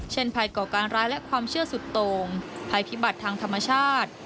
ภัยก่อการร้ายและความเชื่อสุดโต่งภัยพิบัติทางธรรมชาติ